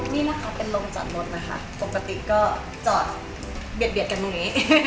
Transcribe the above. นี่นะคะเป็นโรงจอดรถนะคะปกติก็จอดเบียดกันตรงนี้